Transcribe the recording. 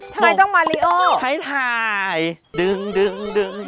ทำไมต้องมาริโอใช้ถ่ายดึงดึง